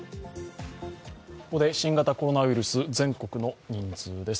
ここで新型コロナウイルス、全国の人数です。